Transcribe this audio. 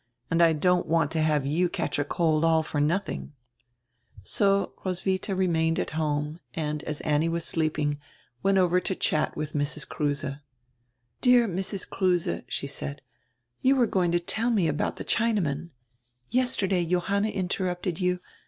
And I don't want to have you catch a cold all for nothing," So Roswitha remained at home and, as Annie was sleep ing, went over to chat with Mrs. Kruse. "Dear Mrs. Kruse," she said, "you were going to tell me about die Chinaman. Yesterday Johanna interrupted you.